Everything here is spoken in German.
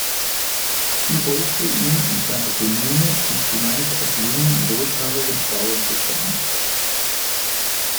Sie folgte ihm und seiner Kommune, die zumeist aus jungen rothaarigen Frauen bestand.